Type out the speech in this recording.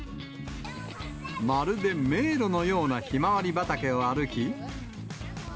まるで迷路のようなひまわり畑を歩き。